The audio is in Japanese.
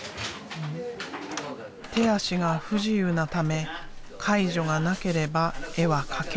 手足が不自由なため介助がなければ絵は描けない。